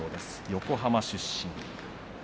横浜出身。